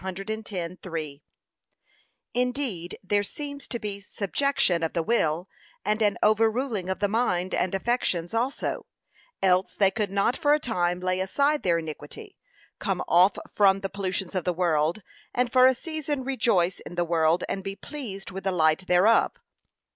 110:3) Indeed there seems to be subjection of the will, and an overruling of the mind, and affections also, else they could not for a time lay aside their iniquity, come off from the pollutions of the world, and for a season rejoice in the world and be pleased with the light thereof.